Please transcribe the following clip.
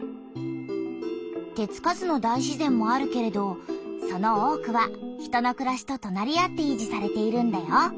手つかずの大自然もあるけれどその多くは人のくらしととなり合っていじされているんだよ。